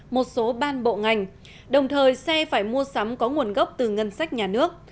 một số ban bộ ngành đồng thời xe phải mua sắm có nguồn gốc từ ngân sách nhà nước